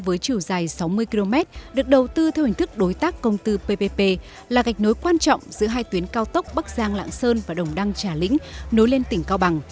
với chiều dài sáu mươi km được đầu tư theo hình thức đối tác công tư ppp là gạch nối quan trọng giữa hai tuyến cao tốc bắc giang lạng sơn và đồng đăng trà lĩnh nối lên tỉnh cao bằng